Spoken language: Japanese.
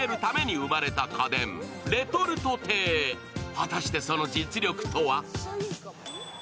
果たして、その実力とは？